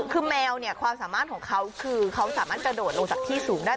คือแมวเนี่ยความสามารถของเขาคือเขาสามารถกระโดดลงจากที่สูงได้